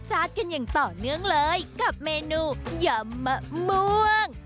กันอย่างต่อเนื่องเลยกับเมนูยำมะม่วง